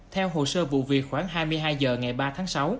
theo hồ sơ vụ việc khoảng hai mươi hai h ngày ba tháng sáu